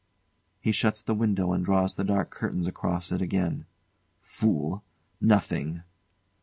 [He shuts the window and draws the dark curtains across it again.] Fool! Nothing!